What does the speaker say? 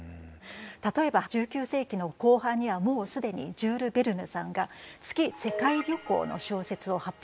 例えば１９世紀の後半にはもう既にジュール・ヴェルヌさんが「月世界旅行」の小説を発表されています。